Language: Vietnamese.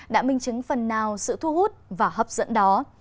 đã minh chứng phần nào sự thu hút và hấp dẫn đó